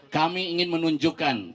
kami ingin menunjukkan